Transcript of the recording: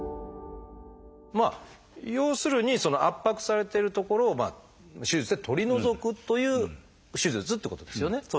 要するにその圧迫されてる所を手術で取り除くという手術ってことですよね。